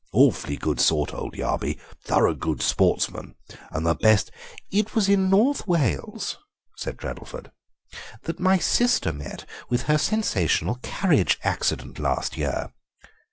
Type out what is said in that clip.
Awfully good sort, old Yarby, thorough good sportsman, and the best—" "It was in North Wales," said Treddleford, "that my sister met with her sensational carriage accident last year.